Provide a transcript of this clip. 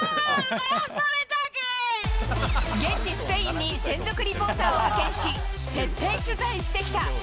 現地スペインに専属リポーターを派遣し、徹底取材してきた。